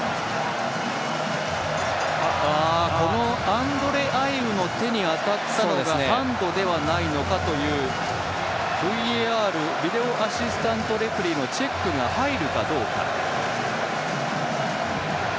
アンドレ・アイウの手に当たったのがハンドではないのかというＶＡＲ＝ビデオアシスタントレフェリーのチェックが入るかどうか。